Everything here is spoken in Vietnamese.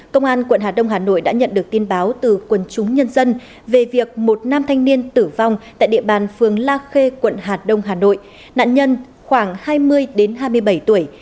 công an tp hcm đã nhận được tin báo từ quần chúng nhân dân về việc một nam thanh niên tử vong tại địa bàn phường la khê quận hà đông hà nội nạn nhân khoảng hai mươi hai mươi bảy tuổi